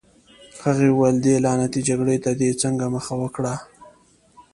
هغه وویل: دې لعنتي جګړې ته دې څنګه مخه وکړه؟